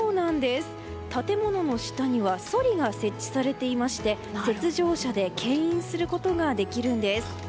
建物の下にはそりが設置されていまして雪上車で牽引することができるんです。